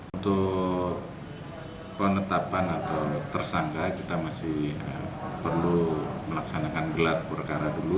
untuk penetapan atau tersangka kita masih perlu melaksanakan gelar perkara dulu